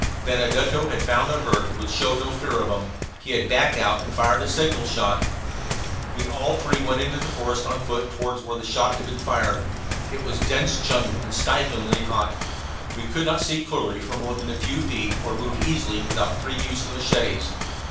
Benedetto had found the herd, which showed no fear of him; he had backed out and fired a signal shot. We all three went into the forest on foot toward where the shot had been fired. It was dense jungle and stiflingly hot. We could not see clearly for more than a few feet, or move easily without free use of the machetes.